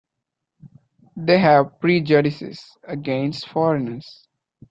They have prejudices against foreigners.